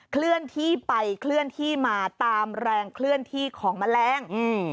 เคลื่อนที่ไปมาตามแรงเคลื่อนที่ของแมลง